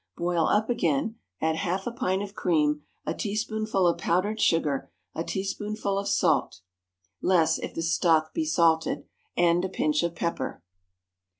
Boil up again, add half a pint of cream, a teaspoonful of powdered sugar, a teaspoonful of salt (less if the stock be salted), and a pinch of pepper.